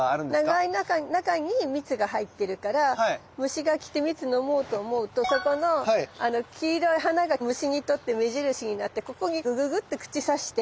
長い中に蜜が入ってるから虫が来て蜜飲もうと思うとそこの黄色い花が虫にとって目印になってここにグググッて口さして。